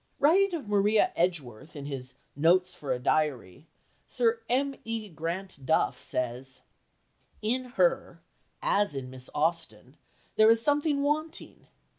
Writing of Maria Edgeworth in his Notes for a Diary, Sir M. E. Grant Duff says: "In her, as in Miss Austen, there is something wanting.